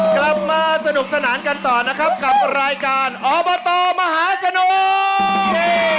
กลับมาสนุกสนานกันต่อนะครับกับรายการอบตมหาสนุก